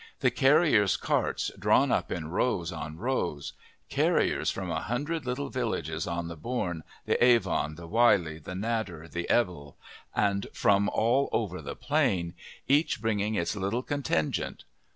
The carriers' carts drawn up in rows on rows carriers from a hundred little villages on the Bourne, the Avon, the Wylye, the Nadder, the Ebble, and from all over the Plain, each bringing its little contingent.